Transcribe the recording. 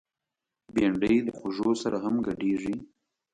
بېنډۍ د خوږو سره هم ګډیږي